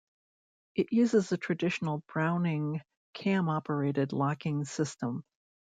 It uses a traditional Browning cam-operated locking system.